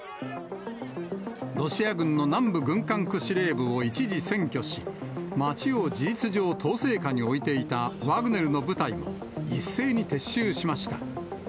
ロシア軍の南部軍管区司令部を一時占拠し、町を事実上、統制下に置いていたワグネルの部隊が一斉に撤収しました。